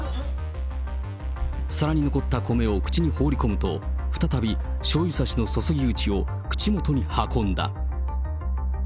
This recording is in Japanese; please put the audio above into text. さらに残った米を口に放り込むと、再びしょうゆ差しの注ぎ口を口元に運んだ。